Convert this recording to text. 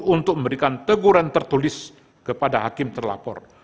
untuk memberikan teguran tertulis kepada hakim terlapor